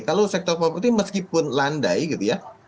kalau sektor properti meskipun landai gitu ya